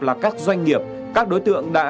là các doanh nghiệp các đối tượng đã